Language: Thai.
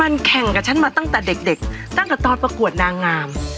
มันแข่งกับฉันมาตั้งแต่เด็กตั้งแต่ตอนประกวดนางงาม